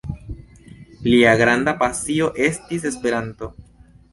Lia granda pasio estis Esperanto.